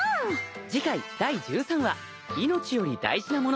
第１３話「命より大事なもの」。